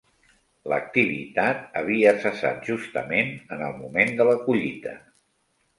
L'activitat havia cessat justament en el moment de la collita.